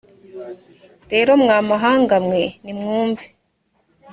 rero mwa mahanga mwe nimwumve